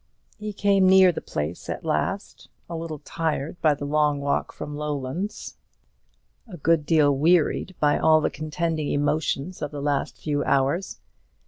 He came near the place at last; a little tired by the long walk from Lowlands; a good deal wearied by all the contending emotions of the last few hours.